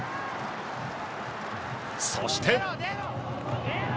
そして。